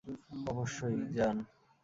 অবশ্যই, যান।